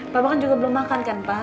bapak kan juga belum makan kan pak